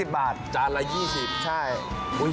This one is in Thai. ๒๐บาทจานละ๒๐บาทใช่